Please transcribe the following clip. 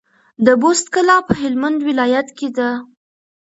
د بُست کلا په هلمند ولايت کي ده